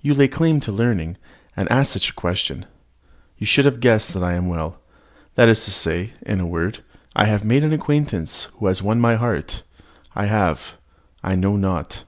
You lay claim to learning, and ask such a question. You should have guessed that I am well that is to say in a word, I have made an acquaintance who has won my heart: I have I know not.